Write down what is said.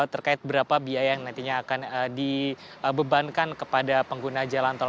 terkait berapa biaya yang nantinya akan dibebankan kepada pengguna jalan tol